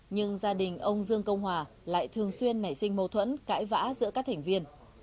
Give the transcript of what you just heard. nhưng gia đình ông dương công hòa lại thường xuyên nảy sinh mâu thuẫn cãi vã giữa các thành viên